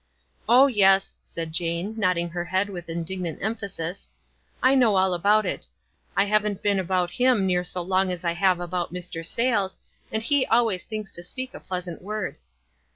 "Oh, yes," said Jane, nodding her head with indignant emphasis, "I know all about it. I haven't been about him near so long as I have about Mr. Sayles, and he always thinks to speak a pleasant word."